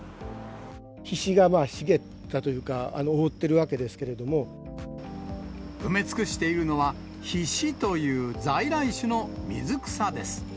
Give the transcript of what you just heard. ヒシが茂ったというか、埋め尽くしているのは、ヒシという在来種の水草です。